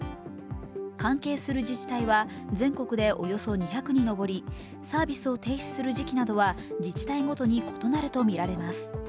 関係する自治体は全国でおよそ２００に上りサービスを停止する時期などは自治体ごとに異なるとみられます。